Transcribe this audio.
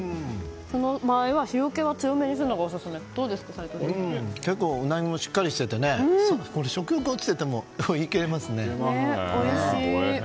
その場合は塩気を強めにするのが結構、ウナギもしっかりしてて食欲が落ちていてもいけますね。